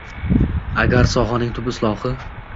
Agrar sohaning tub islohi